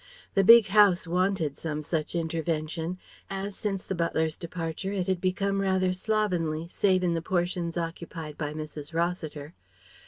The big house wanted some such intervention, as since the butler's departure it had become rather slovenly, save in the portions occupied by Mrs. Rossiter.